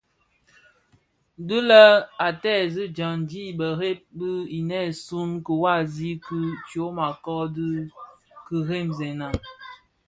Dhi lè a teezi dyaňdi mbèrèn bi inèsun kiwasi ki tyoma kö dhi kiremzèna.